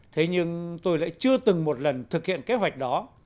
thế nhưng tôi lại chưa từng một lần thực hiện kế hoạch đó